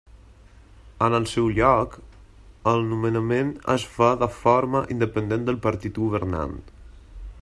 En el seu lloc, el nomenament es fa de forma independent pel partit governant.